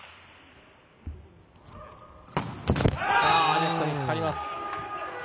ネットにかかります。